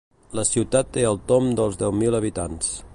La ciutat té al tomb dels deu mil habitants.